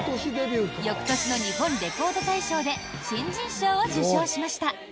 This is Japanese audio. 翌年の日本レコード大賞で新人賞を受賞しました。